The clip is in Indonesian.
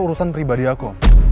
urusan pribadi aku